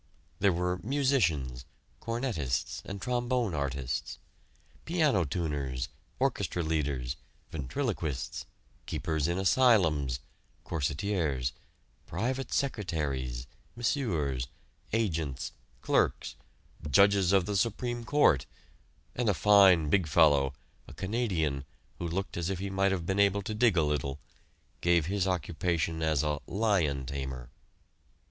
There were "musicians," "cornetists," and "trombone artists," "piano tuners," "orchestra leaders," "ventriloquists," "keepers in asylums," "corsetiers," "private secretaries," "masseurs," "agents," "clerks," "judges of the Supreme Court," and a fine big fellow, a Canadian who looked as if he might have been able to dig a little, gave his occupation as a "lion tamer."